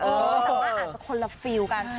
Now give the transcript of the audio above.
อ๋อสามารถอาจจะคนละฟิลกัน